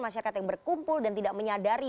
masyarakat yang berkumpul dan tidak menyadari